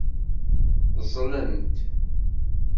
Ẓẓlent.